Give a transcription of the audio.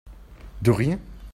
De rien !